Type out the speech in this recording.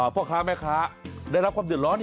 พ่อค้าแม่ค้าได้รับความเดือดร้อน